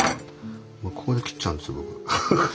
もうここで切っちゃうんです僕。